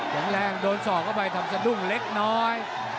แข็งแรงโดนสอกเข้าไปทำสะดุ้งเล็กน้อย